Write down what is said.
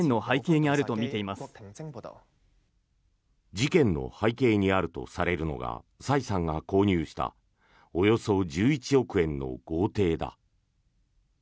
事件の背景にあるとされるのがサイさんが購入したおよそ１１億円の豪邸だ。